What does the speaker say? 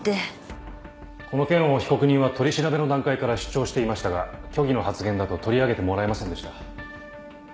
この件を被告人は取り調べの段階から主張していましたが虚偽の発言だと取り上げてもらえませんでした。